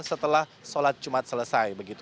setelah sholat jumat selesai